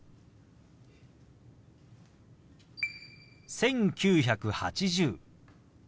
「１９８０」。